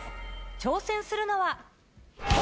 挑戦するのは。